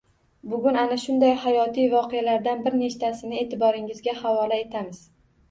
Bugun ana shunday hayotiy voqealardan bir nechtasini e`tiboringizga havola etamiz